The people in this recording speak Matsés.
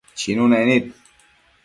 Chinunec nid